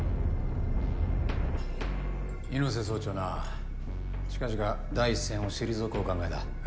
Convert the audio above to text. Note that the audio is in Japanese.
猪背総長な近々第一線を退くお考えだ。